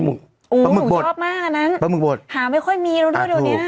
ปลาหมึกบดปลาหมึกบดหาไม่ค่อยมีแล้วดีน่ะอ่ะถูก